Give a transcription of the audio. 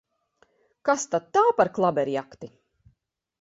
Kas tad tā par klaberjakti!